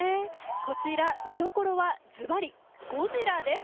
こちら、見所は、ずばりゴジラです。